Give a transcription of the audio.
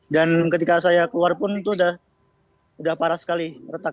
dan ketika saya keluar pun itu sudah parah sekali